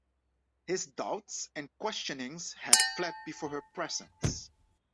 His doubts and questionings had fled before her presence.